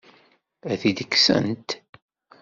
Ad t-id-kksent?